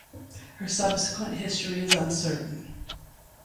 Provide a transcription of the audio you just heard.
Her subsequent history is uncertain.